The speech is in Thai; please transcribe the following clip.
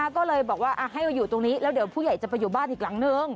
ก็เลยบอกว่าให้มาอยู่ตรงนี้แล้วเดี๋ยวผู้ใหญ่จะไปอยู่บ้านอีกหลังนึง